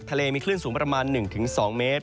ทะเลมีคลื่นสูงประมาณ๑๒เมตร